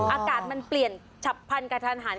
อากาศมันเปลี่ยนฉับพันกระทันหัน